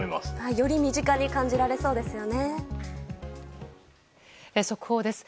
より身近に感じられそうですよね。